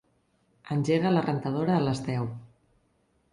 Engega la rentadora a les deu.